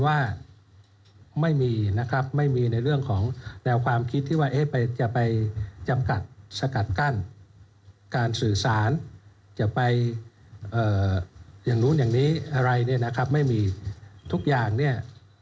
ท่านเขามีสิทธุ์ทุกคนคนไทยพวกเราทุกคนมีสิทธิ์อย่างไร